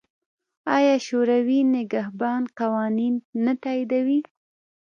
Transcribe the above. آیا شورای نګهبان قوانین نه تاییدوي؟